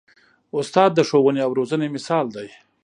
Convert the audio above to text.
استاد د ښوونې او روزنې مثال دی.